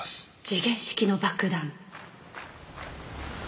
時限式の爆弾。